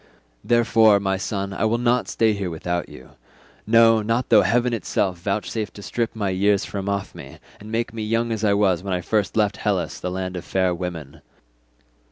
Therefore, my son, I will not stay here without you—no, not though heaven itself vouchsafe to strip my years from off me, and make me young as I was when I first left Hellas the land of fair women.